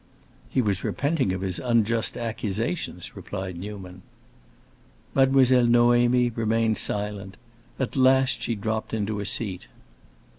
"He was repenting of his unjust accusations," replied Newman. Mademoiselle Noémie remained silent; at last she dropped into a seat.